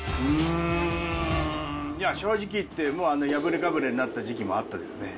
いや、正直言って、もう破れかぶれになった時期もあったですね。